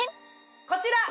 こちら！